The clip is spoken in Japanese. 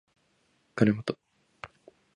かねもと